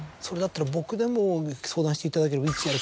それだったら僕でも相談していただければ。